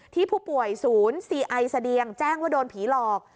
ที่ผู้ป่วยศูนย์ซีไอเสดียงแจ้งว่าโดนผีหลอก